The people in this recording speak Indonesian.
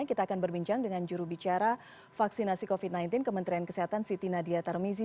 kita akan berbincang dengan jurubicara vaksinasi covid sembilan belas kementerian kesehatan siti nadia tarmizi